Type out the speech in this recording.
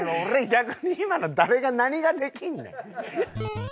逆に今の誰が何ができんねん。